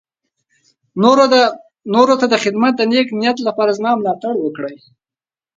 نورو ته د خدمت د نېک نيت لپاره زما ملاتړ وکړي.